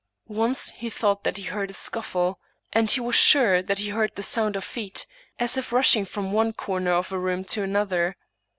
Once he thought that he heard a scuffle, and he was sure that he heard the sound of feet, as if rushing from one corner of a room to another.